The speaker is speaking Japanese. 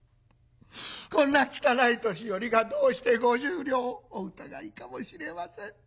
こんな汚い年寄りがどうして５０両お疑いかもしれません。